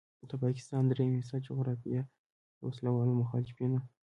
د پاکستان دریمه حصه جغرافیه د وسلوالو مخالفینو